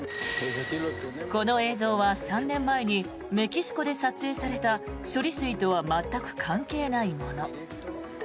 この映像は３年前にメキシコで撮影された処理水とは全く関係ないもの。